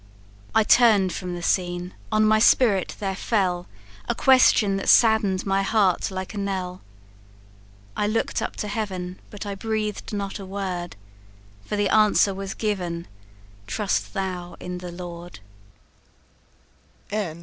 I turn'd from the scene on my spirit there fell A question that sadden'd my heart like a knell; I look'd up to heav'n, but I breath'd not a word, For the answer was given 'Trust thou in the Lord!'"